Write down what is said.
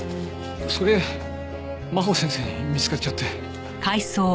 それ真帆先生に見つかっちゃって。